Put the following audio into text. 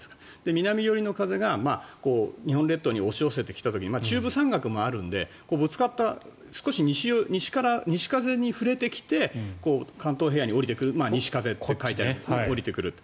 南寄りの風が日本列島に押し寄せてきた時に中部山岳もあるんでぶつかった、少し西風に触れてきて関東平野に下りてくる西風という、下りてくる。